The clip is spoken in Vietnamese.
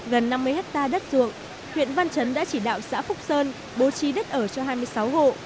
gần năm mươi hectare đất ruộng huyện văn chấn đã chỉ đạo xã phúc sơn bố trí đất ở cho hai mươi sáu hộ